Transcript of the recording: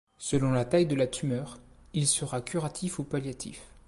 Selon la taille de la tumeur, il sera curatif ou palliatif.